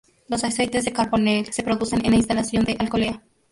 Los aceites Carbonell se producen en la instalación de Alcolea.